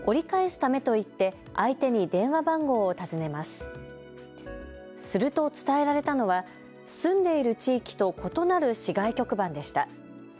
すると伝えられたのは住んでいる地域と異なる市外局番でした。